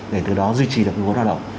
để từ đó duy trì được nguồn lao động